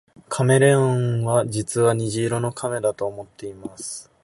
カメレオンは実は虹色の亀だと思っています